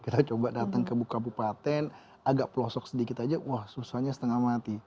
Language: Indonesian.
kita coba datang ke buka bupaten agak pelosok sedikit aja wah susahnya setengah mati